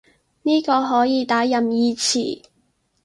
呢個可以打任意詞